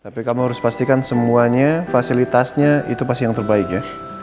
tapi kamu harus pastikan semuanya fasilitasnya itu pasti yang terbaik ya